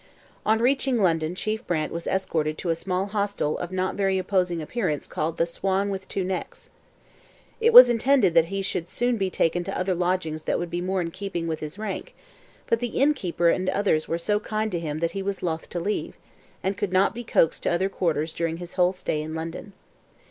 On reaching London Chief Brant was escorted to a small hostel of not very imposing appearance called 'The Swan with Two Necks.' It was intended that he should soon be taken to other lodgings that would be more in keeping with his rank; but the innkeeper and others were so kind to him that he was loth to leave, and could not be coaxed to other quarters during his whole stay in London.